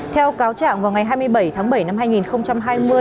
theo cáo trạng vào ngày hai mươi bảy tháng bảy năm hai nghìn hai mươi